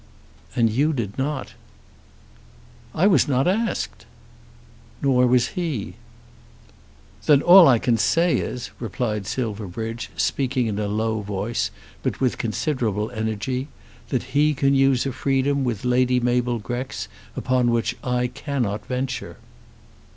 "And you did not." "I was not asked." "Nor was he." "Then all I can say is," replied Silverbridge, speaking in a low voice, but with considerable energy, "that he can use a freedom with Lady Mabel Grex upon which I cannot venture."